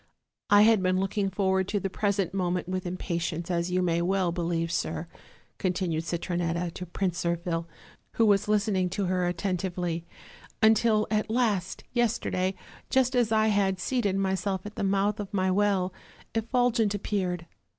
I had been looking forward to the present moment with impatience, as you may well believe, sir," continued Citronetta to Prince Zirphil, who was listening to her attentively, "until, at last, yesterday, just as I had seated myself at the mouth of my well, Effulgent ap peared.